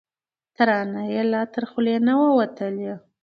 ترانه یې لا تر خوله نه وه وتلې